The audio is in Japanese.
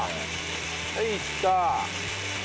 はいいった！